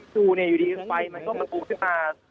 ดูอยู่ดีไฟมันก็ประทุกขึ้นมา